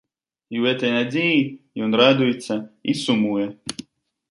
І ў гэтай надзеі ён радуецца і сумуе.